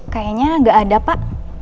kayaknya enggak ada pak